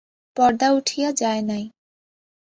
পর্দা উঠিয়া যায় নাই।